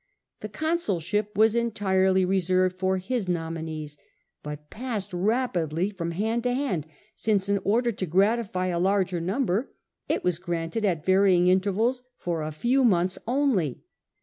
The consulship was.entirely reserved for his nominees, but passed rapidly from hand to hand, since in order to gratify a larger number it was granted at varying intervals for a few months only.